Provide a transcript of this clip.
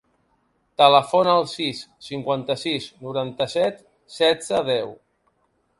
Telefona al sis, cinquanta-sis, noranta-set, setze, deu.